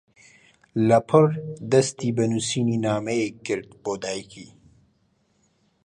لەپڕ دەستی بە نووسینی نامەیەک کرد بۆ دایکی.